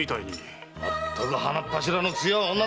鼻っ柱の強い女だな！